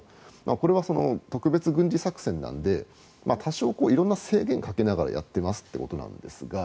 これは特別軍事作戦なので多少、色々な制限をかけながらやっていますということなんですが